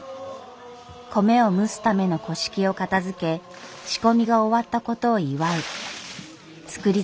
米を蒸すためのを片づけ仕込みが終わったことを祝う造り